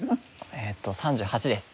えっと３８です。